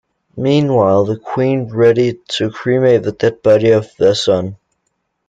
Meanwhile, the queen readied to cremate the dead body of their son.